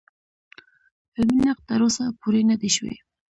علمي نقد تر اوسه پورې نه دی شوی.